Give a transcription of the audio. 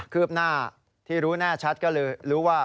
ืบหน้าที่รู้แน่ชัดก็เลยรู้ว่า